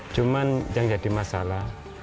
cuman yang jadi masalah